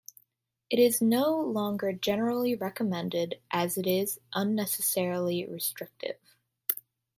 It is no longer generally recommended as it is unnecessarily restrictive.